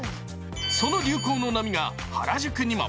その流行の波が、原宿にも。